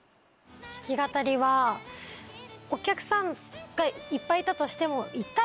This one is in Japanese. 弾き語りはお客さんがいっぱいいたとしても。